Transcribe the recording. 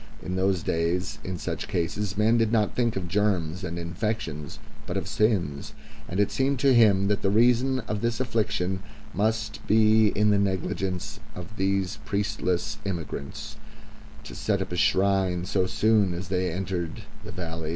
In those days, in such cases, men did not think of germs and infections but of sins; and it seemed to him that the reason of this affliction must lie in the negligence of these priestless immigrants to set up a shrine so soon as they entered the valley.